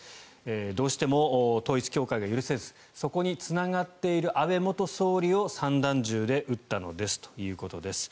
どうしても統一教会が許せずそこにつながっている安倍元総理を散弾銃で撃ったのですということです。